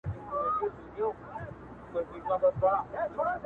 د خلکو اساسي اړتیاوي لکه تعلیم